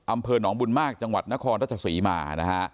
อำเภอหนองบุญมากจังหวัดนครราชศรีมานะฮะ